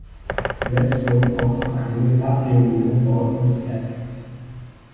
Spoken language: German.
Zuletzt wurden auch noch einige Cabriolet-Umbauten gefertigt.